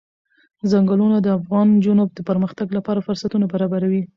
ځنګلونه د افغان نجونو د پرمختګ لپاره فرصتونه برابروي.